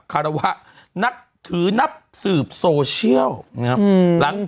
คาราวะนักถือนับสืบโซเชียล